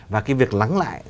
và cái việc lắng lại